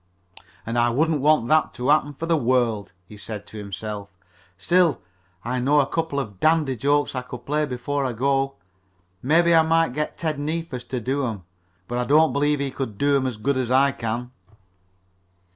"And I wouldn't want that to happen for the world," he said to himself. "Still I know a couple of dandy jokes I could play before I go. Maybe I might get Ted Neefus to do 'em, but I don't believe he could do 'em as good as I can."